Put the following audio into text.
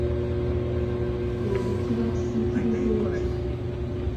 Ekyo kiba kisiikirize kyo.